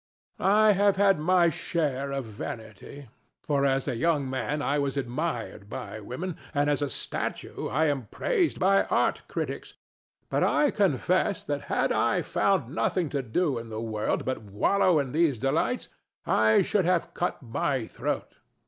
I have had my share of vanity; for as a young man I was admired by women; and as a statue I am praised by art critics. But I confess that had I found nothing to do in the world but wallow in these delights I should have cut my throat.